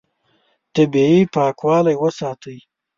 طبیعي پاکوالی وساتئ.